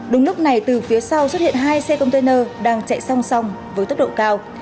đúng lúc này từ phía sau xuất hiện hai xe container đang chạy song song với tốc độ cao